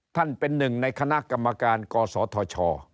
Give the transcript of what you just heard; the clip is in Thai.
ท่านเป็นหนึ่งในคณะกรรมการกศธช